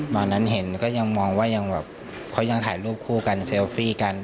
ตอนนั้นเห็นก็ยังมองว่ายังแบบเขายังถ่ายรูปคู่กันเซลฟี่กัน